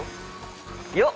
よっ！